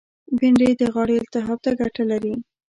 بېنډۍ د غاړې التهاب ته ګټه لري